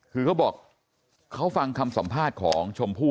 คือเขาบอกเขาฟังคำสัมภาษณ์ของชมพู่